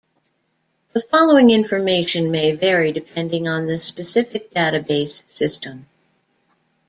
The following information may vary depending on the specific database system.